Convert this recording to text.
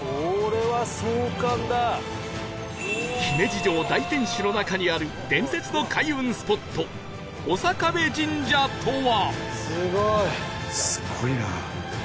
姫路城大天守の中にある伝説の開運スポット長壁神社とは？